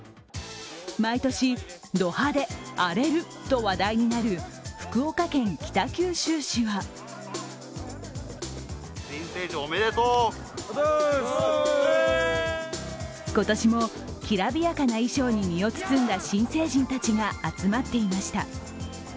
毎年、ド派手、荒れると話題になる福岡県北九州市は今年もきらびやかな衣装に身を包んだ新成人たちが集まっていました。